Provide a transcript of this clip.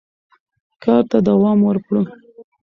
کار ته دوام ورکړو.